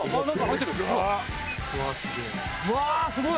うわーすごい！